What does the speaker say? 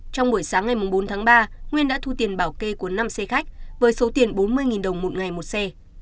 trong buổi sáng ngày bốn tháng ba nguyên đã thu tiền bảo kê của năm xe khách với số tiền bốn mươi đồng một ngày một xe